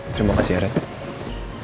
terima kasih aaron